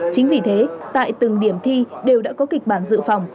chính vì thế tại từng điểm thi đều đã có kịch bản dự phòng